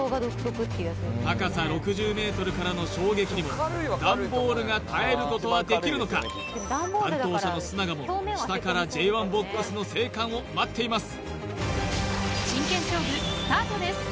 高さ６０ｍからの衝撃にも段ボールが耐えることはできるのか担当者の須永も下からＪ１−ＢＯＸの生還を待っています